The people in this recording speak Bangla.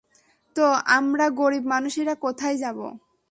তো আমরা গরিব মানুষেরা কোথায় যাবো?